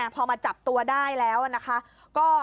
เรานี่ไงพอ